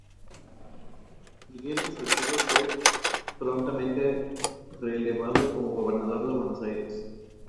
Su evolución ha seguido diferentes cauces en los distintos países.